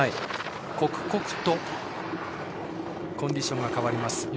刻々とコンディションが変わります。